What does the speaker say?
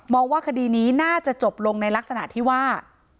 ว่าคดีนี้น่าจะจบลงในลักษณะที่ว่า